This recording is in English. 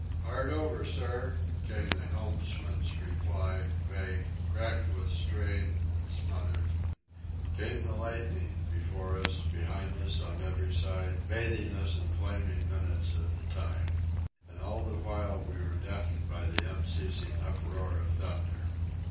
"Hard over, sir," came the helmsman's reply, vague, cracked with strain, and smothered. Came the lightning, before us, behind us, on every side, bathing us in flaming minutes at a time. And all the while we were deafened by the unceasing uproar of thunder.